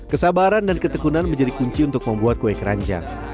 kesabaran dan ketekunan menjadi kunci untuk membuat kue keranjang